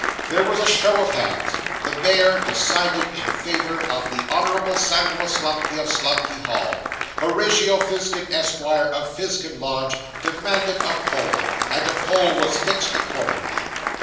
There was a show of hands; the mayor decided in favour of the Honourable Samuel Slumkey, of Slumkey Hall. Horatio Fizkin, Esquire, of Fizkin Lodge, demanded a poll, and a poll was fixed accordingly.